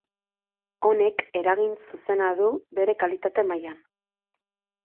Honek, eragin zuzena du bere kalitate mailan.